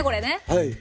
はい。